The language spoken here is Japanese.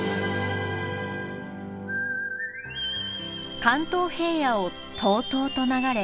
関東平野をとうとうと流れ